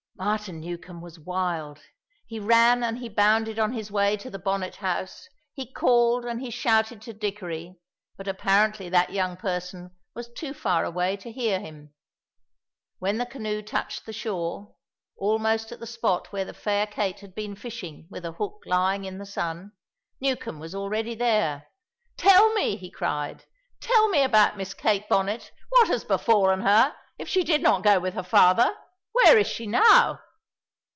Martin Newcombe was wild; he ran and he bounded on his way to the Bonnet house; he called and he shouted to Dickory, but apparently that young person was too far away to hear him. When the canoe touched the shore, almost at the spot where the fair Kate had been fishing with a hook lying in the sun, Newcombe was already there. "Tell me," he cried, "tell me about Miss Kate Bonnet! What has befallen her? If she did not go with her father, where is she now?"